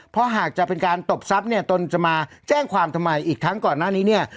เพราะหากจะเป็นการตบทรัพย์เนี่ยตนจะมาแจ้งความทำไมอีกทั้งก่อนหน้านี้เนี่ย